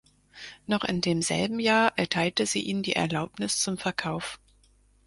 Noch in demselben Jahr erteilte sie ihnen die Erlaubnis zum Verkauf.